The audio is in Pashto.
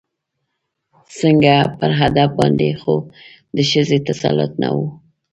ځکه پر ادب باندې خو د ښځې تسلط نه و